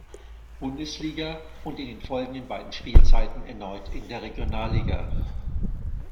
Bundesliga und in den folgenden beiden Spielzeiten erneut in der Regionalliga.